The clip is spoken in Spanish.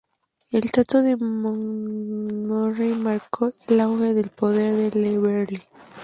El Tratado de Montgomery marcó el auge del poder de Llywelyn.